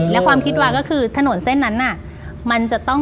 และความคิดวาก็คือถนนเส้นนั้น